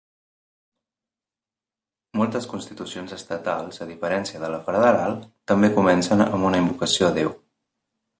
Moltes constitucions estatals, a diferència de la federal, també comencen amb una invocació a Déu.